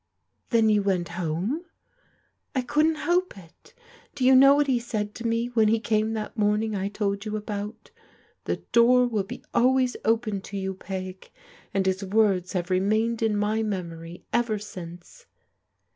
"Then you went home?" " I couldn't help it. Do you know what he said to me when he came that morning I told you about ?* The door will be always open to you, Peg,' and his words have remained in my memory ever since."